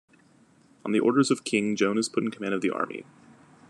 On the orders of king, Joan is put in command of the army.